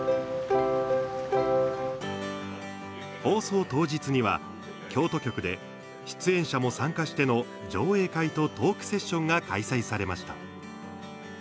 放送当日には、京都局で出演者も参加しての上映会とトークセッションが開催されました。